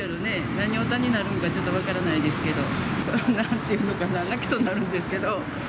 何オタになるのかちょっと分からないですけど、なんていうのかな、泣きそうになるんですけど。